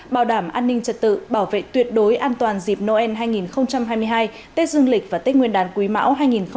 bảo đảm an ninh trật tự bảo vệ tuyệt đối an toàn dịp noel hai nghìn hai mươi hai tết dương lịch và tết nguyên đán quý mão hai nghìn hai mươi bốn